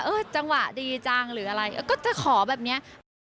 จังหวะดีจังหรืออะไรก็จะขอแบบเนี้ย